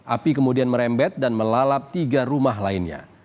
api kemudian merembet dan melalap tiga rumah lainnya